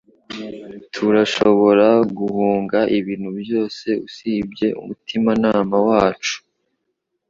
Turashobora guhunga ibintu byose usibye umutimanama wacu